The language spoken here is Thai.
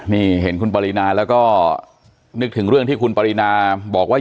นี่เห็นคุณปรินาแล้วก็นึกถึงเรื่องที่คุณปรินาบอกว่า